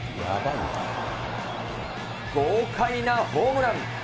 豪快なホームラン。